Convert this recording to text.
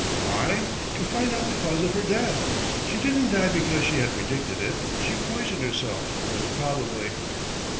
"Why, to find out the cause of her death. She didn't die because she had predicted it. She poisoned herself most probably."